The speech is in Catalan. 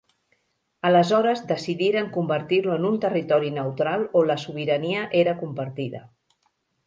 Aleshores decidiren convertir-lo en un territori neutral on la sobirania era compartida.